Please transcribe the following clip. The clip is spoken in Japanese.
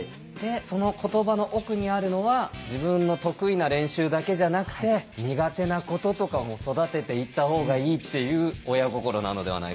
その言葉の奥にあるのは自分の得意な練習だけじゃなくて苦手なこととかも育てていった方がいいっていう親心なのではないかと。